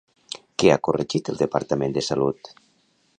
Què ha corregit el Departament de Salut?